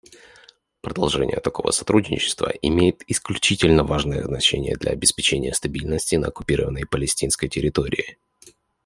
Продолжение такого сотрудничества имеет исключительно важное значение для обеспечения стабильности на оккупированной палестинской территории.